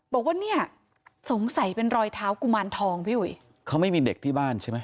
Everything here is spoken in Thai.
บอกว่าเนี่ยสงสัยเป็นรอยเท้ากุมารทองพี่อุ๋ยเขาไม่มีเด็กที่บ้านใช่ไหม